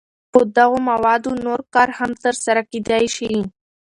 پر دغو موادو نور کار هم تر سره کېدای شي.